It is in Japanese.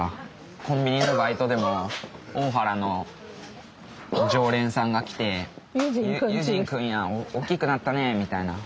コンビニのバイトでも大原の常連さんが来て「悠仁君やんおっきくなったね」みたいな。